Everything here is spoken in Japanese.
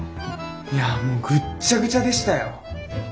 いやもうぐっちゃぐちゃでしたよ。